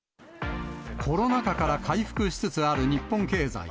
コロナ禍から回復しつつある日本経済。